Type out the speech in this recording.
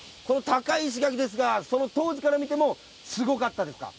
高い石垣ですがその当時から見てもすごかったですか？